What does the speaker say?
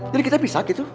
jadi kita bisa gitu